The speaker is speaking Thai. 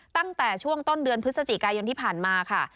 ตั้งแต่ช่วงต้นเดือนพฤศจิกายนที่ผ่านมาค่ะ